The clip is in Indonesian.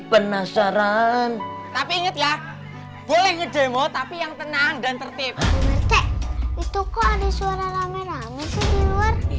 penasaran tapi inget ya boleh ngejemot tapi yang tenang dan tertib itu kok ada suara rame rame